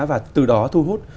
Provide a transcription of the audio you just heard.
và từ đó thu hút